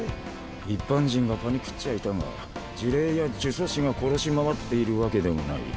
一般人がパニクっちゃいたが呪霊や呪詛師が殺し回っているわけでもない。